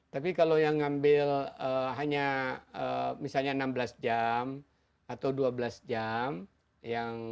tapi kalau yang ngambil hanya misalnya enam belas jam atau dua belas jam